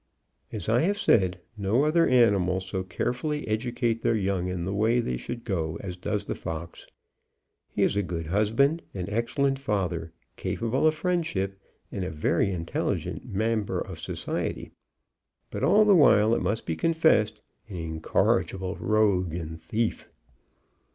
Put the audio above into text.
As I have said, no other animals so carefully educate their young in the way they should go, as does the fox. He is a good husband, an excellent father, capable of friendship, and a very intelligent member of society; but all the while, it must be confessed, an incorrigible rogue and thief.